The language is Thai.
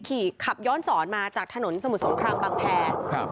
ขับย้อนสอนมาจากถนนสมุทรสงครามบางแพรครับ